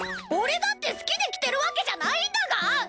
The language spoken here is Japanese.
俺だって好きで着てるわけじゃないんだが！？